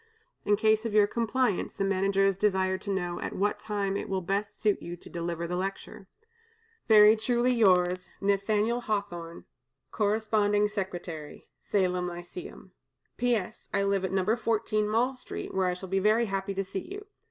In case of your compliance, the Managers desire to know at what time it will best suit you to deliver the lecture. "Very truly yours, "NATH^L HAWTHORNE, "Cor. Sec'y, Salem Lyceum. "P.S. I live at No. 14 Mall Street, where I shall be very happy to see you.